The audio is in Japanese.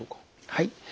はい。